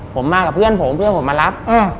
ผมมากับเพื่อนผมเพื่อนผมมารับ